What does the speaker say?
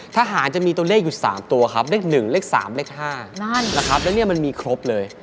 ทหารจะมีตัวเลขอยู่๓ตัวครับเลข๑เลข๓เลข๕นั่นนะครับแล้วเนี่ยมันมีครบเลย